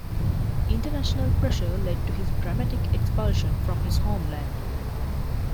International pressure led to his dramatic expulsion from his homeland.